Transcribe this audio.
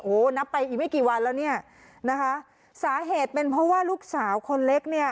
โอ้โหนับไปอีกไม่กี่วันแล้วเนี่ยนะคะสาเหตุเป็นเพราะว่าลูกสาวคนเล็กเนี่ย